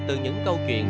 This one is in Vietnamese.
từ những câu chuyện